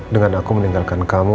dengan aku meninggalkan kamu